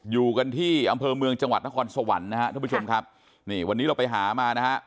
อยู่กันที่อำเภอเมืองจังหวัดนครสวรรค์นะฮะท่านผู้ชมครับนี่วันนี้เราไปหามานะฮะ